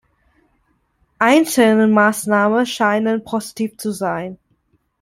Einzelne Maßnahmen scheinen positiv zu sein.